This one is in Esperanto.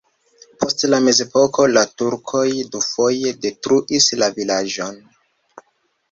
Post la mezepoko la turkoj dufoje detruis la vilaĝon.